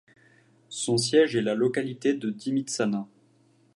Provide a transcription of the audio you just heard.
Son siège est la localité de Dimitsana.